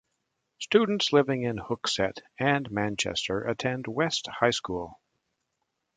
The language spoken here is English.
Students living in Hooksett and Manchester attend West High School.